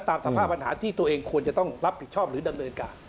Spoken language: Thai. ตามสภาพปัญหาที่ตัวเองควรจะต้องรับผิดชอบหรือดำเนินการ